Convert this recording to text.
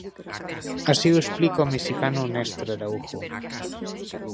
Así o explica o mexicano Néstor Araujo.